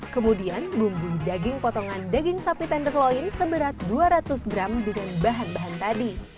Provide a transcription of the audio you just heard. kemudian bumbui daging potongan daging sapi tenderloin seberat dua ratus gram dengan bahan bahan tadi